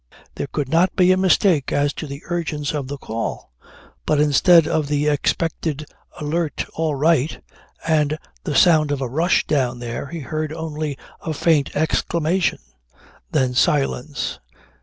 There could not be a mistake as to the urgence of the call. But instead of the expected alert "All right!" and the sound of a rush down there, he heard only a faint exclamation then silence.